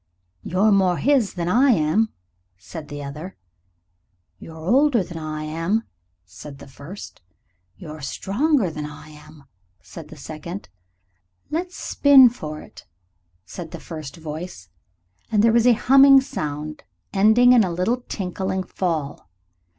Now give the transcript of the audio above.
"You're more his than I am," said the other. "You're older than I am," said the first. "You're stronger than I am," said the second. "Let's spin for it," said the first voice, and there was a humming sound ending in a little tinkling fall.